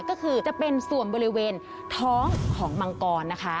ก็คือจะเป็นส่วนบริเวณท้องของมังกรนะคะ